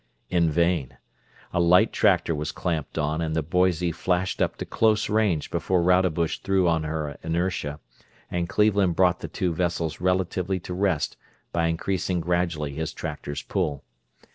In vain. A light tractor was clamped on and the Boise flashed up to close range before Rodebush threw on her inertia and Cleveland brought the two vessels relatively to rest by increasing gradually his tractor's pull.